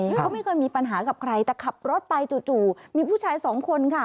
เขาไม่เคยมีปัญหากับใครแต่ขับรถไปจู่มีผู้ชายสองคนค่ะ